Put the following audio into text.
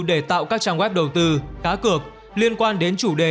để tạo các trang web đầu tư cá cược liên quan đến chủ đề